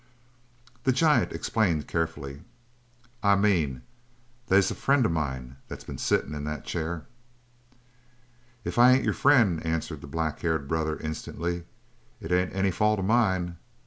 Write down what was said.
The giant explained carefully: "I mean, they's a friend of mine that's been sittin' in that chair." "If I ain't your friend," answered the black haired brother instantly, "it ain't any fault of mine.